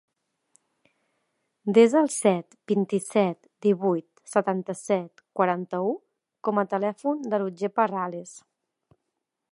Desa el set, vint-i-set, divuit, setanta-set, quaranta-u com a telèfon de l'Otger Parrales.